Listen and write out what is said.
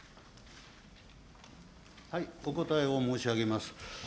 お答えを申し上げます。